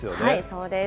そうです。